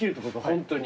本当に。